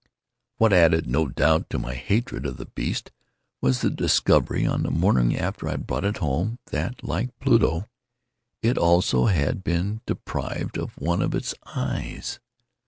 What added, no doubt, to my hatred of the beast, was the discovery, on the morning after I brought it home, that, like Pluto, it also had been deprived of one of its eyes.